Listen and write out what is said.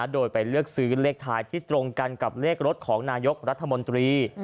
โดยไปเลือกซื้อเลขท้ายที่ตรงกันกับเลขรถของนายกรัฐมนตรี